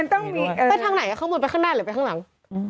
ไปทางไหนข้างบนไปข้างหน้าหรือไปข้างหลัง